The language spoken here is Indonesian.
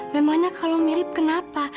memangnya kalau mirip kenapa